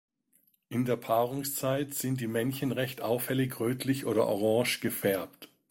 In der Paarungszeit sind die Männchen recht auffällig rötlich oder orange gefärbt.